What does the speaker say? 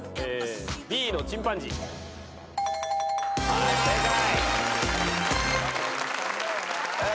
はい正解。